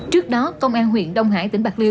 trước đó công an huyện đông hải tỉnh bạc liêu